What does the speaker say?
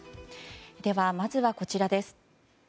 では、まずはこちらです。